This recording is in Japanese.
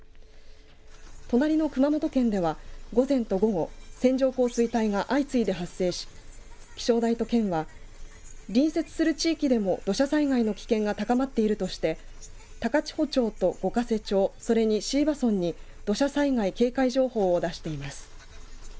隣の熊本県では午前と午後線状降水帯が相次いで発生し気象台と県は隣接する地域でも土砂災害の危険が高まっているとして高千穂町と五ヶ瀬町それに椎葉村に土砂災害警戒情報を出しています。